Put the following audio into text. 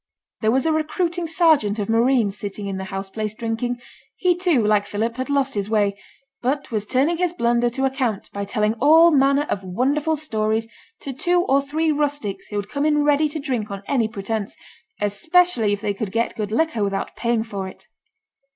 There was a recruiting sergeant of marines sitting in the house place, drinking. He, too, like Philip, had lost his way; but was turning his blunder to account by telling all manner of wonderful stories to two or three rustics who had come in ready to drink on any pretence; especially if they could get good liquor without paying for it.